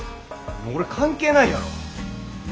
俺関係ないやろ。